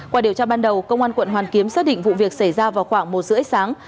qua điều tra ban đầu công an quận hoàn kiếm xác định vụ việc xảy ra vào khoảng một h ba mươi sáng